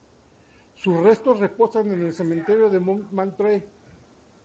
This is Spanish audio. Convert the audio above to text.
Sus restos reposan en el cementerio de Montmartre.